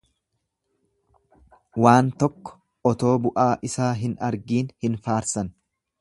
Waan tokko otoo bu'aa isaa hin argiin hin faarsan.